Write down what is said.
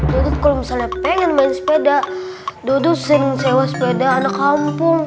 dodot kalau misalnya pengen main sepeda dodot sering sewa sepeda anak kampung